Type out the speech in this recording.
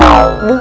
ada buntut ular